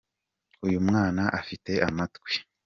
uyumwana afite amatwi